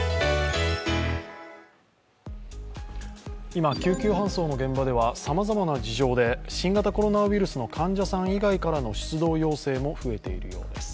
今、救急搬送の現場ではさまざまな事情で新型コロナウイルスの患者さん以外からの出動要請も増えているようです。